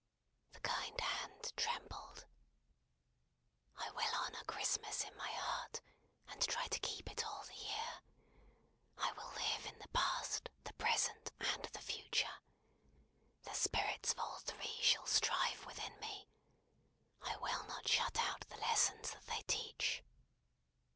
The kind hand trembled. "I will honour Christmas in my heart, and try to keep it all the year. I will live in the Past, the Present, and the Future. The Spirits of all Three shall strive within me. I will not shut out the lessons that they teach.